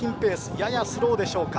ややスローでしょうか。